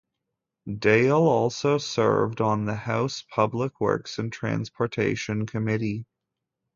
Dale also served on the House Public Works and Transportation Committee.